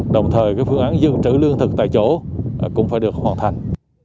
đồng thời phương án dự trữ lương thực tại chỗ cũng phải được hoàn thành